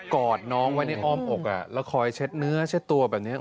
อดน้องไว้ในอ้อมอกแล้วคอยเช็ดเนื้อเช็ดตัวแบบนี้